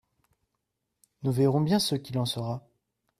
Nous verrons bien ce qu’il en sera.